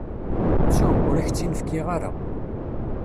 Ttuɣ, ur ak-tt-in-fkiɣ ara.